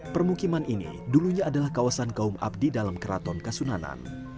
permukiman ini dulunya adalah kawasan kaum abdi dalam keraton kasunanan